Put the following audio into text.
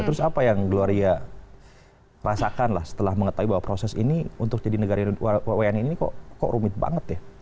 terus apa yang gloria rasakan lah setelah mengetahui bahwa proses ini untuk jadi negara wni ini kok rumit banget ya